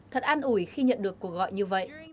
thật an ủi khi nhận được cuộc gọi từ robot